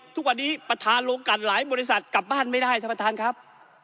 ทุกวันนี้ประธานโรงการหลายบริษัทกลับบ้านไม่ได้ท่านประธานครับ